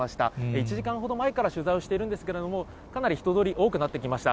１時間ほど前から取材をしているんですけれども、かなり人通り多くなってきました。